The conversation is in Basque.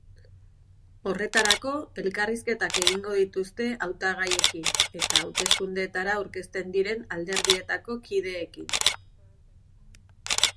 Horretarako, elkarrizketak egingo dituzte hautagaiekin eta hauteskundeetara aurkezten diren alderdietako kideekin.